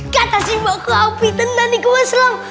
kata si mokko aufiten dan iku weselam